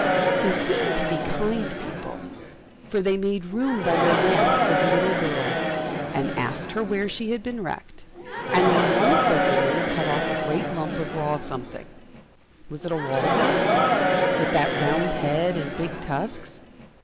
They seemed to be kind people, for they made room by their lamp for the little girl, and asked her where she had been wrecked, and then one of the women cut off a great lump of raw something was it a walrus, with that round head and big tusks?